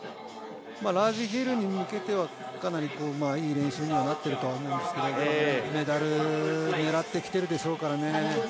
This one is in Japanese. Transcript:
ラージヒルに向けてはかなりいい練習にはなっているとは思うんですけどメダルを狙ってきているでしょうからね。